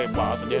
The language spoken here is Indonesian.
kita seperti itu